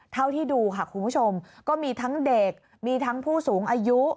เท่าที่ดูค่ะคุณผู้ชมก็มีทั้งเด็กมีทั้งผู้สูงอายุ